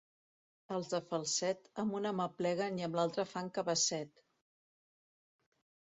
Els de Falset, amb una mà pleguen i amb l'altra fan cabasset.